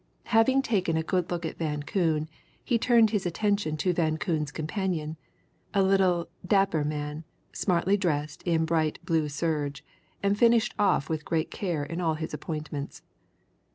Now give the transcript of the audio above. Having taken a good look at Van Koon, he turned his attention to Van Koon's companion, a little, dapper man, smartly dressed in bright blue serge, and finished off with great care in all his appointments.